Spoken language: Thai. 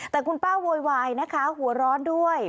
แต่คุณป้าโวยวายนะคะหัวร้อนด้วย